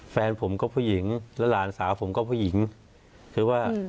แฟนผมก็ผู้หญิงและหลานสาวผมก็ผู้หญิงคือว่า